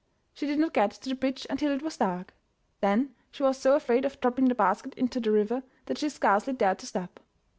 She did not get to the bridge until it was dark. Then she was so afraid of dropping the basket into the river that she scarcely dared to step.